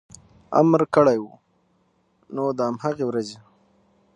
امر کړی و، نو د هماغې ورځې